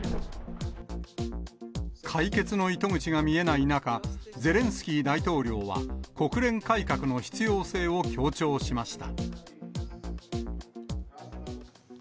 解決の糸口が見えない中、ゼレンスキー大統領は、国連改革の必要性を強調しました。